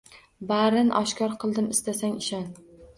Barin oshkor qildim, istasang ishon